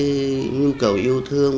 tí nhu cầu yêu thương